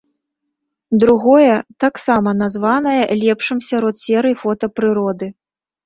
Другое таксама названае лепшым сярод серый фота прыроды.